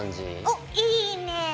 おいいね。